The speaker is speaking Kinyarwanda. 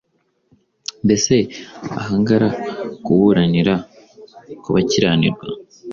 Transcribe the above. mbese ahangara kuburanira ku bakiranirwa?